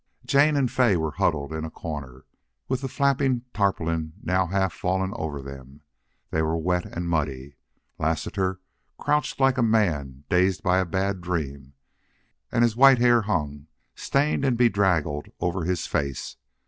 Jane and Fay were huddled in a corner, with the flapping tarpaulin now half fallen over them. They were wet and muddy. Lassiter crouched like a man dazed by a bad dream, and his white hair hung, stained and bedraggled, over his face.